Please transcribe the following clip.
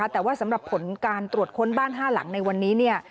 แต่ว่าสำหรับผลการตรวจค้นบ้าน๕หลังในวันนี้